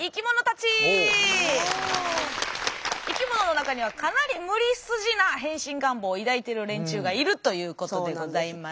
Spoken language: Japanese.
生きものの中にはかなり無理筋な変身願望を抱いてる連中がいるということでございます。